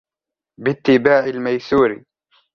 بِاتِّبَاعِ الْمَيْسُورِ